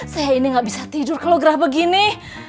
saya ini nggak bisa tidur kalau gerah begini